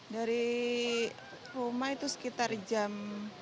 dari rumah itu sekitar jam